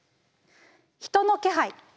人の気配。